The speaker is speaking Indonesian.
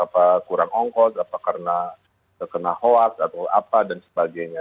apa kurang ongkos apa karena terkena hoax atau apa dan sebagainya